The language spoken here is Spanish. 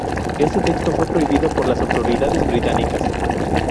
Este texto fue prohibido por las autoridades británicas.